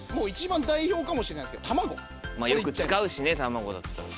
よく使うしね卵だったら。